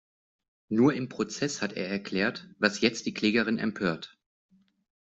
Nur im Prozess hat er erklärt, was jetzt die Klägerin empört.